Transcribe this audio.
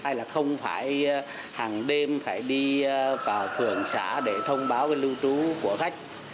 hay là không phải hàng đêm phải đi vào phường xã để thông báo cái lưu trú của khách